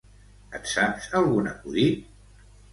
Et saps algun acudit?